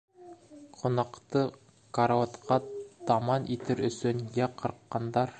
Ҡунаҡты карауатҡа таман итер өсөн йә ҡырҡҡандар